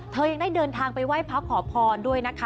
เธอยังได้เดินทางไปว่าให้พระขอพรด้วยนะ